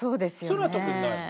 それは特にないの？